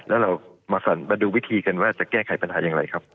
แล้วเรามาดูวิธีกันว่าจะแก้ไขปัญหาอย่างไรครับ